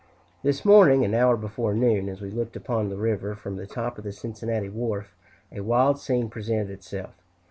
This morning, an hour before noon, as we looked upon the river from the top of the Cincinnati wharf, a wild scene presented itself.